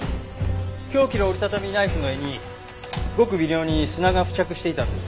凶器の折り畳みナイフの柄にごく微量に砂が付着していたんですが。